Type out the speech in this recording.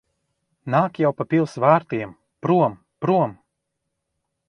Nāk jau pa pils vārtiem. Prom! Prom!